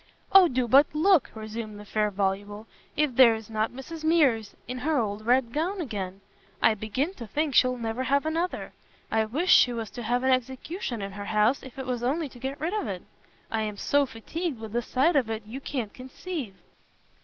"O do but look!" resumed the fair VOLUBLE, "if there is not Mrs Mears in her old red gown again! I begin to think she'll never have another. I wish she was to have an execution in her house, if it was only to get rid of it! I am so fatigued with the sight of it you can't conceive."